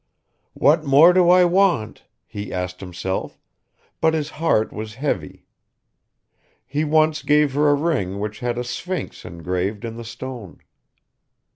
"What more do I want?" he asked himself, but his heart was heavy. He once gave her a ring which had a sphinx engraved in the stone.